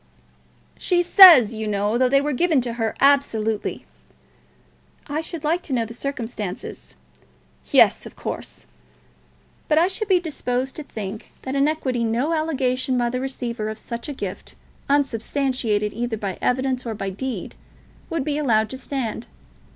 "She says, you know, that they were given to her, absolutely." "I should like to know the circumstances." "Yes; of course." "But I should be disposed to think that in equity no allegation by the receiver of such a gift, unsubstantiated either by evidence or by deed, would be allowed to stand.